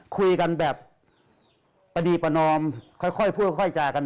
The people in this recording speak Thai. คุยกันแบบประดีประนอมค่อยพูดค่อยจากัน